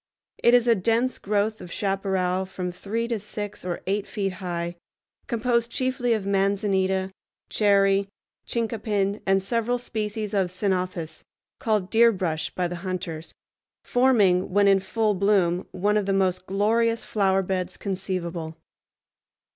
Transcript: It is a dense growth of chaparral from three to six or eight feet high, composed chiefly of manzanita, cherry, chincapin, and several species of ceanothus, called deerbrush by the hunters, forming, when in full bloom, one of the most glorious flowerbeds conceivable.